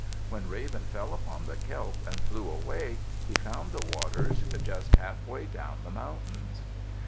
When Raven fell upon the kelp and flew away he found the waters just half way down the mountains.